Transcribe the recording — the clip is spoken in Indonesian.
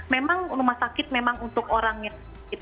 memang rumah sakit memang untuk orang yang sakit